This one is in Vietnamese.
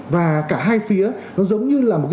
và cả hai phía nó giống như là một cái